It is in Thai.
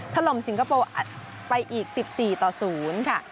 ถล่มสิงคโปร์อัดไปอีก๑๔ต่อ๐ค่ะ